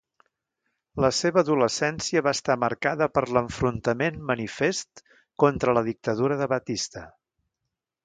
La seva adolescència va estar marcada per l'enfrontament manifest contra la dictadura de Batista.